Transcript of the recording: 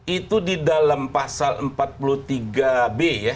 itu di dalam pasal empat puluh tiga b ya